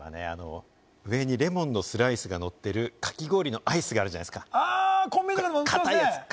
上にレモンのスライスがのってる、かき氷のアイスがあるじゃないですか、あのかたいやつ。